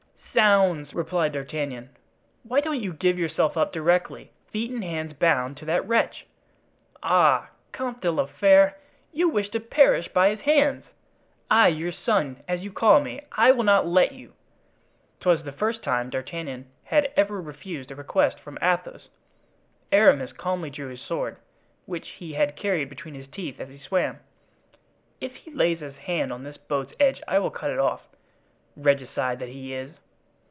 "Zounds!" replied D'Artagnan, "why don't you give yourself up directly, feet and hands bound, to that wretch? Ah! Comte de la Fere, you wish to perish by his hands! I, your son, as you call me—I will not let you!" 'Twas the first time D'Artagnan had ever refused a request from Athos. Aramis calmly drew his sword, which he had carried between his teeth as he swam. "If he lays his hand on the boat's edge I will cut it off, regicide that he is."